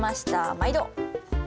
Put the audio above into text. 毎度。